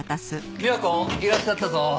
美和子いらっしゃったぞ。